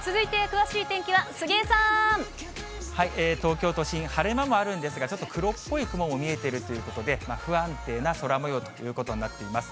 東京都心、晴れ間もあるんですが、ちょっと黒っぽい雲も見えてるということで、不安定な空もようということになっています。